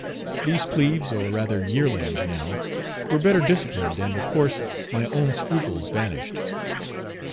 These plebes, or rather yearlings now, were better disciplined, and, of course, my own scruples vanished.